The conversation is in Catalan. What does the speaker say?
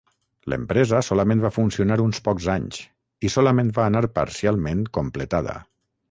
L'empresa solament va funcionar uns pocs anys i solament va anar parcialment completada.